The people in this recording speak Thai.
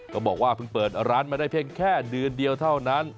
บอกว่าเพิ่งเปิดร้านมาได้เพียงแค่เดือนเดียวเท่านั้น